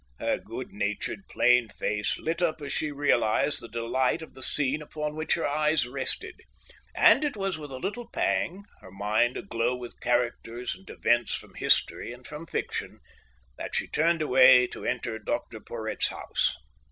Her good natured, plain face lit up as she realized the delight of the scene upon which her eyes rested; and it was with a little pang, her mind aglow with characters and events from history and from fiction, that she turned away to enter Dr Porhoët's house.